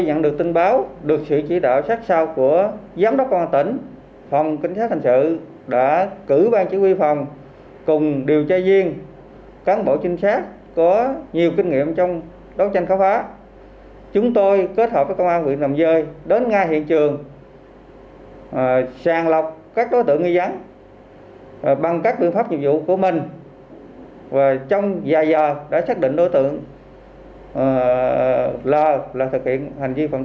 nhận được tin báo giám đốc công an tỉnh cà mau đã chỉ đạo các đơn vị nghiệp vụ án trong thời gian nhanh chóng đến hiện trường làm sáng tỏ vụ án trong thời gian nhanh nhất